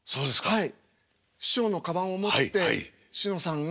はい。